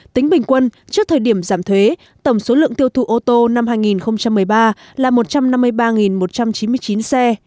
tính bình quân trước thời điểm giảm thuế tổng số lượng tiêu thụ ô tô năm hai nghìn một mươi ba là một trăm năm mươi ba một trăm chín mươi chín xe